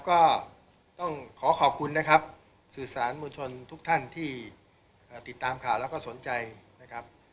ก็ต้องขอขอบคุณสื่อสารมุญชนทุกท่านที่ติดตามเก่าและสนใจนะครับ